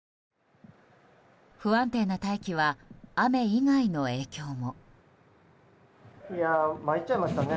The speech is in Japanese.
不安定な大気は雨以外の影響も。